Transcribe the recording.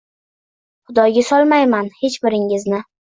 Xudoga solmayman hech biringizni.